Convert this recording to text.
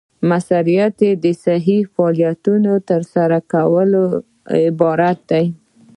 مؤثریت د صحیح فعالیتونو له ترسره کولو عبارت دی.